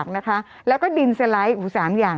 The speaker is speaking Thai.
กรมป้องกันแล้วก็บรรเทาสาธารณภัยนะคะ